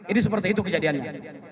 ini seperti itu kejadiannya